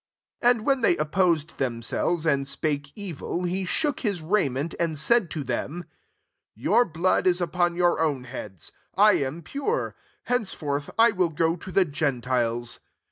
6 And when they op posed themselves, and spake evil, he shook his raiment, and said to them, •* Your blood is upon your own heads ; I am pure : henceforth I will go to the gentiles."